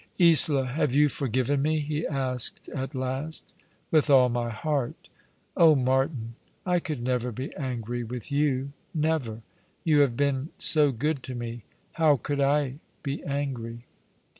" Isola, have you forgiven me ?" he asked at last. " With all my heart. Oh, Martin, I could never be angry with you — never. You have been so good to me. How could I be angry?'